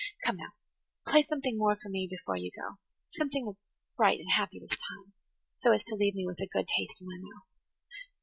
Come now, play something more for me before you go–something that's bright and happy this time, so as to leave me with a good taste in my mouth.